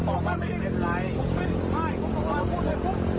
ยิงแล้วใหญ่เลยถ้าลงโทรเจียนะผมฟ้องอีกตั้งหน้า